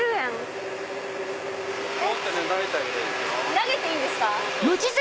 投げていいんですか！